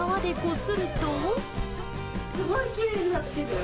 すごいきれいになってる。